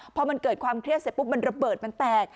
พอมันเกิดความเครียดเสร็จปุ๊บมันระเบิดมันแตก